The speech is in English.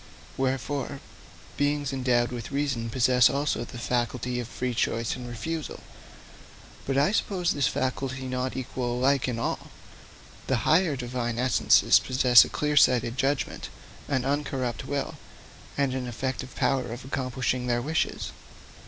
Wherefore, beings endowed with reason possess also the faculty of free choice and refusal. But I suppose this faculty not equal alike in all. The higher Divine essences possess a clear sighted judgment, an uncorrupt will, and an effective power of accomplishing their wishes.